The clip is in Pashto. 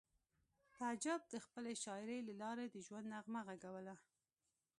تعجب د خپلې شاعرۍ له لارې د ژوند نغمه غږوله